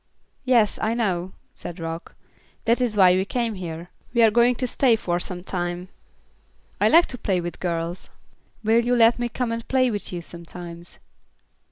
"Yes, I know," said Rock, "that is why we came here. We are going to stay for some time. I like to play with girls. Will you let me come and play with you sometimes?"